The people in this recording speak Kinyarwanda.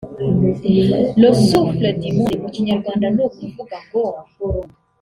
le souffle du monde » Mu kinyarwanda ni ukuvuga ngo